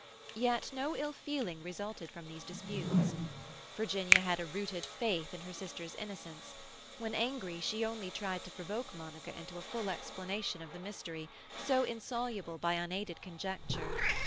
Yet no ill feeling resulted from these disputes. Virginia had a rooted faith in her sister's innocence; when angry, she only tried to provoke Monica into a full explanation of the mystery, so insoluble by unaided conjecture.